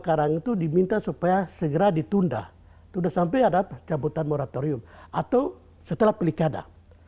sekarang itu diminta supaya segera ditunda sudah sampai ada cabutan moratorium atau setelah pilkada